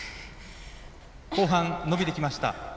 後半伸びてきました。